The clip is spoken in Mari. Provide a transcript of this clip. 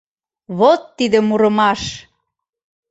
Вот тиде мурымаш!..